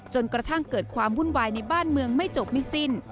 จนกระทั่งเกิดความวุ่นวายในบ้านเมืองไม่จบไม่สิ้น